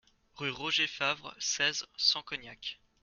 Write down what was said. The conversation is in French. Rue Roger Favre, seize, cent Cognac